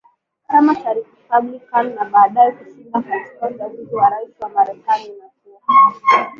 chama cha Republican na baadae kushinda katika uchaguzi wa rais wa Marekani na kuwa